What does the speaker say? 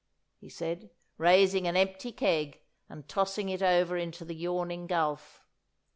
he said, raising an empty keg and tossing it over into the yawning gulf.